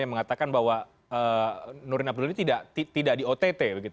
yang mengatakan bahwa nurin abdul ini tidak di ott